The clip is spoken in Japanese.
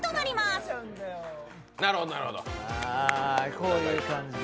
こういう感じで。